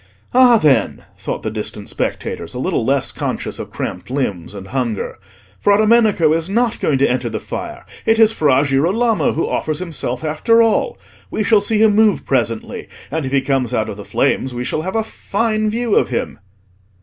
"Ah, then," thought the distant spectators, a little less conscious of cramped limbs and hunger, "Fra Domenico is not going to enter the fire. It is Fra Girolamo who offers himself after all. We shall see him move presently, and if he comes out of the flames we shall have a fine view of him!"